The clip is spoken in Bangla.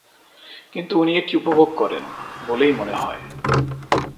কিন্তু উনি এটি উপভোগ করেন বলেই মনে হয়।